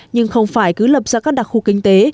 nhưng không phải cứ lập ra các đặc khu kinh tế